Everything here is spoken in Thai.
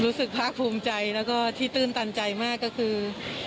รู้สึกภาคภูมิใจแล้วก็ที่ตื้นตันใจมากก็คือ